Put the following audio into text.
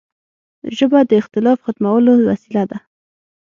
ژبه د اختلاف ختمولو وسیله ده